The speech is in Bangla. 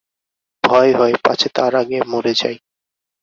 ভয় হয় পাছে তার আগে মরে যাই।